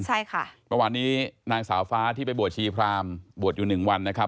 ในวันนี้นางสาวฟ้าที่ไปบวชชีพรามบวชอยู่๑วันนะครับ